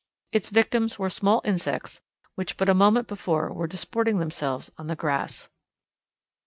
Its victims were small insects which but a moment before were disporting themselves on the grass.